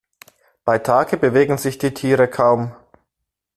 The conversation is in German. Bei Tage bewegen sich die Tiere kaum.